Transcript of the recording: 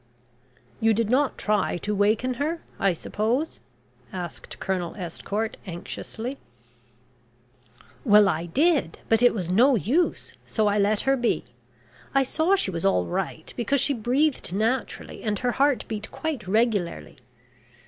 "You did not try to waken her, I suppose?" asked Colonel Estcourt anxiously. "Well, I did, but it was no use, so I let her be. I saw she was all right, because she breathed naturally, and her heart beat quite regularly.